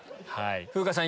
風花さん